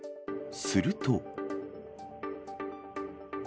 すると。